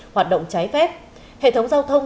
hoạt động trái phép hệ thống giao thông